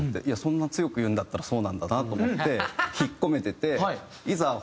いやそんな強く言うんだったらそうなんだなと思って引っ込めてていざ